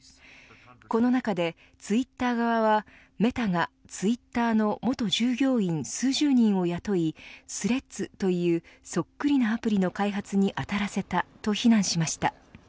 この中で、ツイッター側はメタがツイッターの元従業員数十人を雇いスレッズというそっくりなアプリの開発に当たらせたと非難しました。